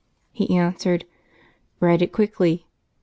He answered, "Write it quickly."